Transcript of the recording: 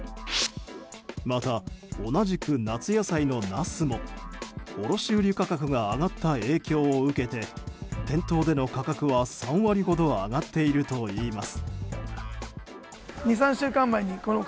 また、同じく夏野菜のナスも卸売価格が上がった影響を受け店頭での価格は３割ほど上がっているといいます。